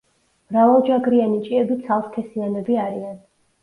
მრავალჯაგრიანი ჭიები ცალსქესიანები არიან.